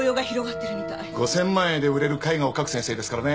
５０００万円で売れる絵画を描く先生ですからね。